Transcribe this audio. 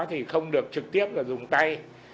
thì không được trực tiếp là dùng tay